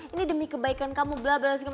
ini demi kebaikan kamu bla bla bla